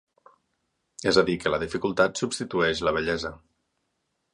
És a dir, que la dificultat substitueix la bellesa.